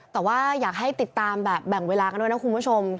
แต่ว่าอยากให้ติดตามแบบแบ่งเวลากันด้วยนะคุณผู้ชม